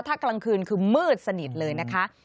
ถ้ากลางคืนคือมืดสนิทเลยนะคะ